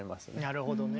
なるほどね。